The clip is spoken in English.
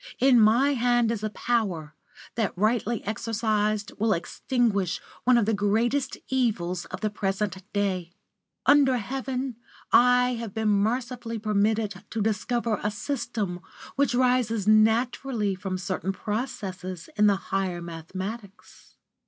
In my hand is a power, that rightly exercised, will extinguish one of the greatest evils of the present day. Under Heaven I have been mercifully permitted to discover a system which rises naturally from certain processes in the higher mathematics.